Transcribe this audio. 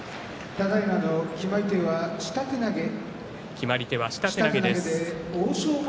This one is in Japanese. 決まり手は下手投げです。